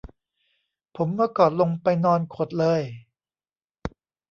ผมเมื่อก่อนลงไปนอนขดเลย